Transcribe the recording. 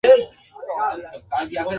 শুধু কয়েকটা কথা বলব।